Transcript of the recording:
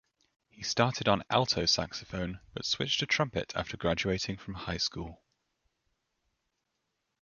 He started on alto saxophone, but switched to trumpet after graduating from high school.